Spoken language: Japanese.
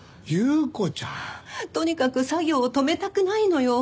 祐子ちゃん。とにかく作業を止めたくないのよ。